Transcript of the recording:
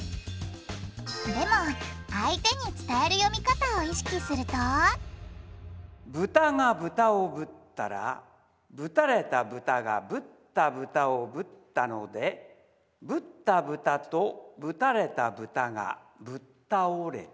でも相手に伝える読み方を意識するとブタがブタをぶったらぶたれたブタがぶったブタをぶったのでぶったブタとぶたれたブタがぶったおれた。